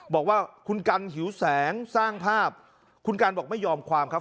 บอกว่าคุณกันหิวแสงสร้างภาพคุณกันบอกไม่ยอมความครับ